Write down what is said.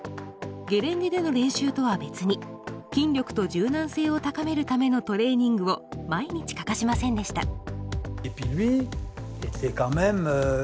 ゲレンデでの練習とは別に筋力と柔軟性を高めるためのトレーニングを毎日欠かしませんでした。